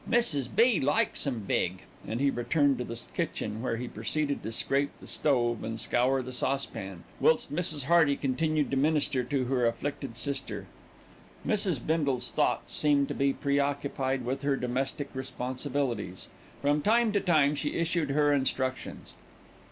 "Mrs. B. likes 'em big," and he returned to the kitchen, where he proceeded to scrape the stove and scour the saucepan, whilst Mrs. Hearty continued to minister to her afflicted sister. Mrs. Bindle's thoughts seemed to be preoccupied with her domestic responsibilities. From time to time she issued her instructions.